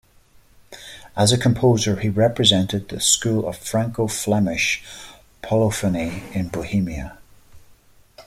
As a composer he represented the school of Franco-Flemish polyphony in Bohemia.